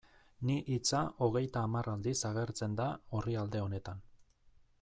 Ni hitza hogeita hamar aldiz agertzen da orrialde honetan.